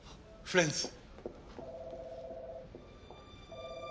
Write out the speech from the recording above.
フレンズ！